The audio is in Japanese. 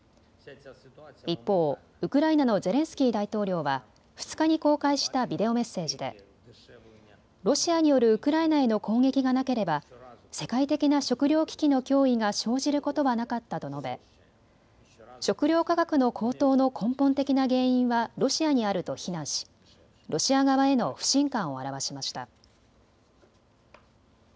一方、ウクライナのゼレンスキー大統領は２日に公開したビデオメッセージでロシアによるウクライナへの攻撃がなければ世界的な食料危機の脅威が生じることはなかったと述べ食料価格の高騰の根本的な原因はロシアにあると非難しロシア側への不信感を表しました。